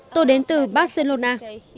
tôi đến từ barcelona